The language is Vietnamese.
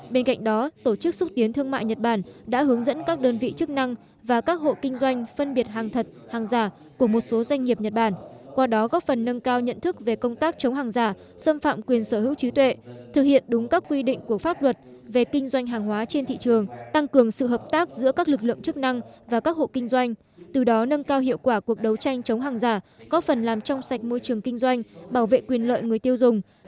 bên cạnh đó tổ chức xúc tiến thương mại nhật bản đã hướng dẫn các đơn vị chức năng và các hộ kinh doanh phân biệt hàng thật hàng giả của một số doanh nghiệp nhật bản qua đó góp phần nâng cao nhận thức về công tác chống hàng giả xâm phạm quyền sở hữu trí tuệ thực hiện đúng các quy định của pháp luật về kinh doanh hàng hóa trên thị trường tăng cường sự hợp tác giữa các lực lượng chức năng và các hộ kinh doanh từ đó nâng cao hiệu quả cuộc đấu tranh chống hàng giả góp phần làm trong sạch môi trường kinh doanh bảo vệ quyền lợi người tiêu d